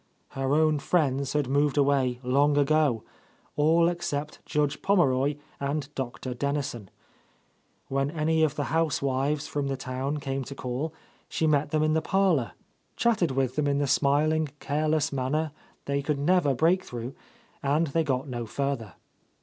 Her own friends had moved away long ago, — all except Judge Pommeroy and Dr. Dennison. When any of the housewives from the town came to call, she met them in the parlour, chatted with them in the smiling, careless manner they could never break through, and they got no further.